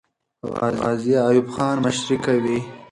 غازي ایوب خان مشري کوي.